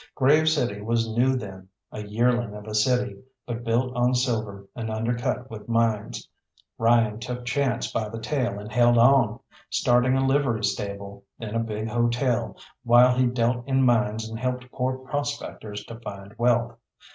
Grave City was new then; a yearling of a city, but built on silver, and undercut with mines. Ryan took Chance by the tail and held on, starting a livery stable, then a big hotel, while he dealt in mines and helped poor prospectors to find wealth.